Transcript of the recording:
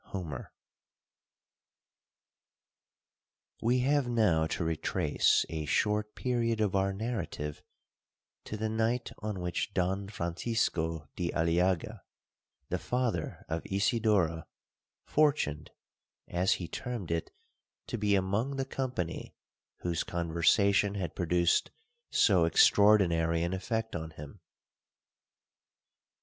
HOMER 'We have now to retrace a short period of our narrative to the night on which Don Francisco di Aliaga, the father of Isidora, 'fortuned,' as he termed it, to be among the company whose conversation had produced so extraordinary an effect on him.